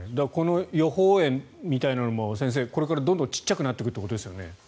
予報円みたいなものもこれからどんどん小さくなっていくということですよね。